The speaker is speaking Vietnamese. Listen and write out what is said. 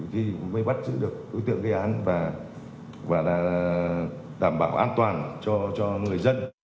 thì mới bắt giữ được ưu tiện gây án và đảm bảo an toàn cho người dân